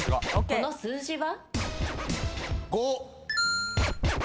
この数字は？